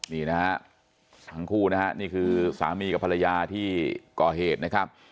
นี่นะฮะทั้งคู่นะฮะนี่คือสามีกับภรรยาที่ก่อเหตุนะครับ